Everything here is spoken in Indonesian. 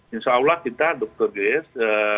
insya allah kita dr grace